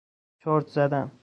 چرت زدن